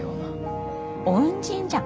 恩人じゃん。